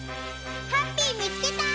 ハッピーみつけた！